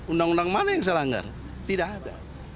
undang undang mana yang saya langgar tidak ada